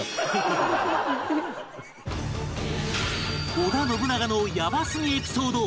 織田信長のやばすぎエピソード